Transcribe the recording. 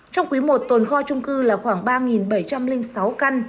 trong quý i tồn kho trung cư là khoảng ba bảy trăm linh sáu căn